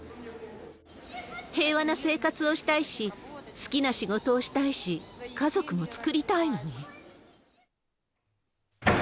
平和な生活をしたいし、好きな仕事をしたいし、家族も作りたいのに。